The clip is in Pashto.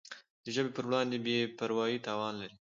د ژبي پر وړاندي بي پروایي تاوان لري.